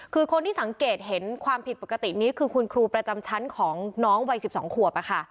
คือคนที่สังเกตเห็นความผิดปกตินี้คือคุณครูประจำชั้นของน้องวัย๑๒ขวบ